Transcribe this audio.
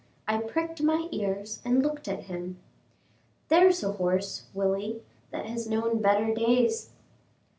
I pricked my ears and looked at him. "There's a horse, Willie, that has known better days."